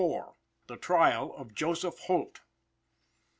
THE TRIAL OF JOSEPH HOLT.